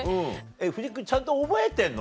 藤木君ちゃんと覚えてんの？